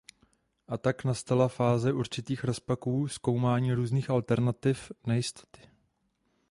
A tak nastala fáze určitých rozpaků, zkoumání různých alternativ, nejistoty.